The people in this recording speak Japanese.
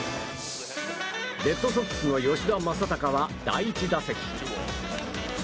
レッドソックスの吉田正尚は第１打席。